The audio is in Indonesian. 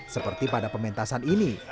seperti pada pementasan ini